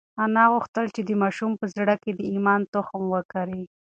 انا غوښتل چې د ماشوم په زړه کې د ایمان تخم وکري.